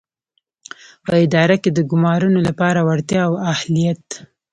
په اداره کې د ګومارنو لپاره وړتیا او اهلیت.